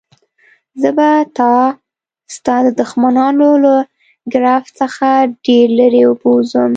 زه به تا ستا د دښمنانو له ګرفت څخه ډېر لیري بوزم.